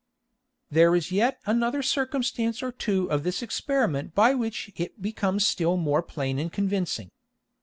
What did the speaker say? There is yet another Circumstance or two of this Experiment by which it becomes still more plain and convincing.